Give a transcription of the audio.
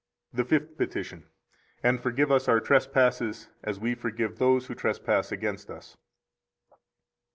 The Fifth Petition. 85 And forgive us our trespasses, as we forgive those who trespass against us.